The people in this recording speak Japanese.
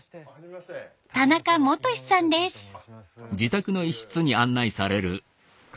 田中基史さんです。